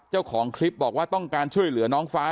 เจ้าของคลิปบอกว่าต้องการช่วยเหลือน้องฟ้า